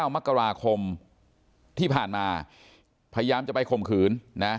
มกราคมที่ผ่านมาพยายามจะไปข่มขืนนะ